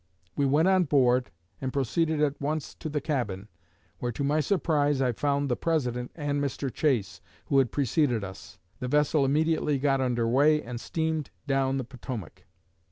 We went on board and proceeded at once to the cabin, where to my surprise I found the President and Mr. Chase, who had preceded us. The vessel immediately got under way and steamed down the Potomac....